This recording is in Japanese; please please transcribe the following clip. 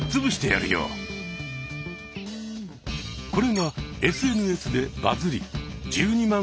これがＳＮＳでバズり１２万